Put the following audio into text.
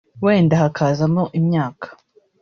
wenda hakazamo imyaka